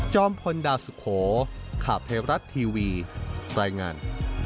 จอมพลดาสุโขข้าวเพราะรัฐทีวีปรายงาน